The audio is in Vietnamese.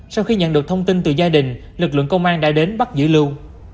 sau khi nhận được thông tin từ gia đình lực lượng công an đã đến bắt giữ lưu